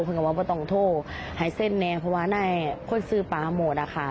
ผมเห็นเซ็นแน่เพราะว่าเนี่ยคนซื้อประโหมดอ่ะค่ะ